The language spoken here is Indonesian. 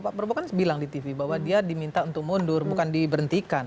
pak prabowo kan bilang di tv bahwa dia diminta untuk mundur bukan diberhentikan